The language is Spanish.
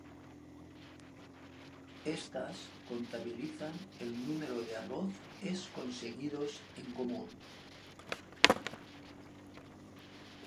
Estas contabilizan el número de arroz es conseguidos en común.